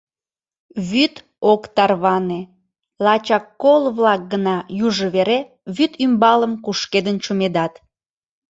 Вӱд ок тарване, лачак кол-влак гына южо вере вӱд ӱмбалым кушкедын чумедат.